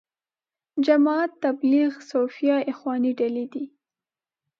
جماعت تبلیغ، صوفیه، اخواني ډلې دي.